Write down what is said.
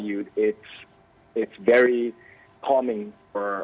itu sangat menyenangkan